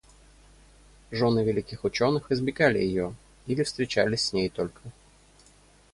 Жены великих ученых избегали ее или встречались с ней только